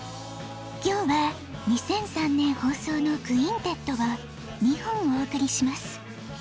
今日は２００３年ほうそうの「クインテット」を２本おおくりします。